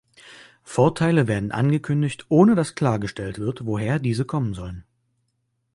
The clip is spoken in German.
Vorteile werden angekündigt, ohne dass klargestellt wird, woher diese kommen sollen.